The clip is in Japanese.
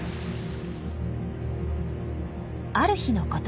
ある日のこと。